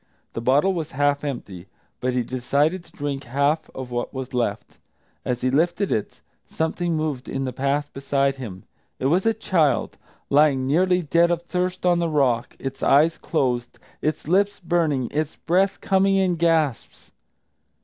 The bottle was half empty, but he decided to drink half of what was left. As he lifted it, something moved in the path beside him. It was a child, lying nearly dead of thirst on the rock, its eyes closed, its lips burning, its breath coming in gasps.